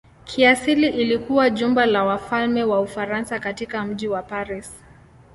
Kiasili ilikuwa jumba la wafalme wa Ufaransa katika mji wa Paris.